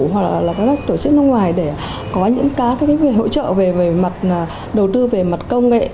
hoặc là các tổ chức nước ngoài để có những các hỗ trợ về đầu tư về mặt công nghệ